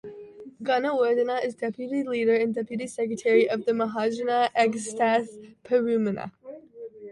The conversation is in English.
Gunawardena is deputy leader and deputy secretary of the Mahajana Eksath Peramuna.